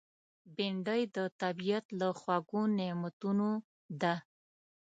بېنډۍ د طبیعت له خوږو نعمتونو ده